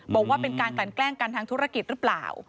บอกว่าเป็นการกลั่นแกล้งกันทางธุรกิจหรือเปล่า